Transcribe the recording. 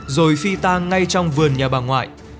rồi phi tan ngay trong vườn nhà bà ngoại